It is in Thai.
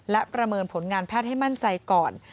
และประเมินผลงานแพทย์ให้มั่นใจก่อน